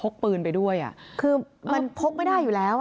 คือมันพกไม่ได้อยู่แล้ว